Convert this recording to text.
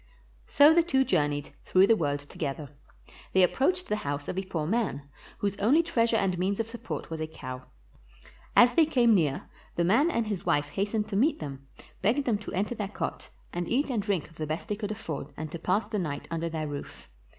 So the two journeyed, through the world together. They approached the house of a poor man, whose only treasure and means of support was a cow. As they came near, the man and his wife hastened to meet them, begged them to enter their cot, and eat and drink of the best they could afford, and to pass the night under their roof.